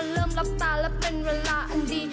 รับตาและเป็นเวลาอันดี